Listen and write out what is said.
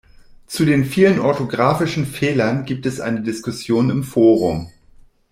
Zu den vielen orthografischen Fehlern gibt es eine Diskussion im Forum.